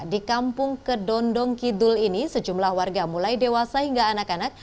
di kampung kedondong kidul ini sejumlah warga mulai dewasa hingga anak anak